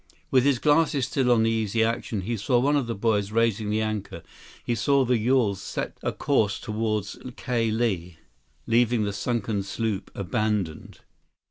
With his glasses still on the Easy Action, he saw one of the boys raising the anchor. He saw the yawl set a course toward Ka Lae, leaving the sunken sloop abandoned.